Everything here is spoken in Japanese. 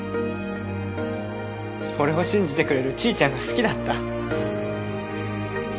俺を信じてくれるちーちゃんが好きだった。